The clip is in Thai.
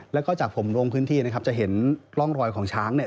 แล้วก็จากผมลงพื้นที่นะครับจะเห็นร่องรอยของช้างเนี่ย